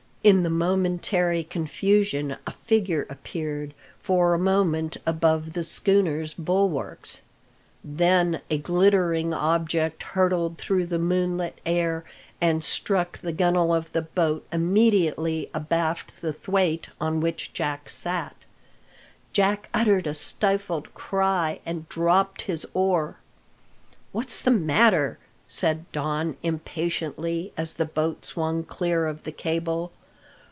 In the momentary confusion a figure appeared for a moment above the schooner's bulwarks. Then a glittering object hurtled through the moonlit air and struck the gun'le of the boat immediately abaft the thwait on which Jack sat. Jack uttered a stifled cry and dropped his oar. "What's the matter?" said Don impatiently, as the boat swung clear of the cable.